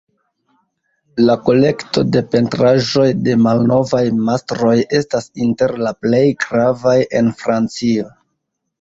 La kolekto de pentraĵoj de malnovaj mastroj estas inter la plej gravaj en Francio.